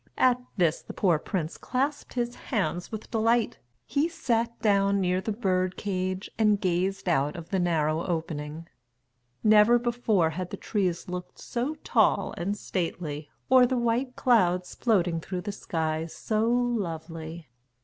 At this, the poor prince clasped his hands with delight. He sat down near the bird cage and gazed out of the narrow opening. Never before had the trees looked so tall and stately, or the white clouds floating through the sky so lovely.